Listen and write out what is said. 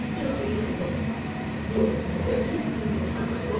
Es un arbusto o pequeño árbol con las ramas jóvenes pubescentes.